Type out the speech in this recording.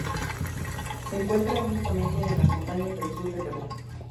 Se encuentra únicamente en las montañas del sur de Perú.